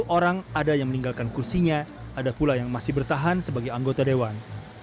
dua puluh orang ada yang meninggalkan kursinya ada pula yang masih bertahan sebagai anggota dewan